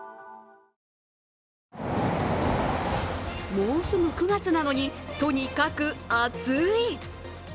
もうすぐ９月なのに、とにかく暑い。